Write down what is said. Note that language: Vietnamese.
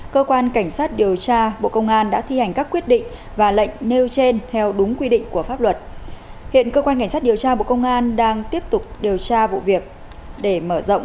cơ quan cảnh sát điều tra bộ công an đã ra các quyết định khởi tố bị can lệnh bắt bị can lệnh khám xét đối với ông trần văn nam nguyên phó chủ tịch ubnd tp bình dương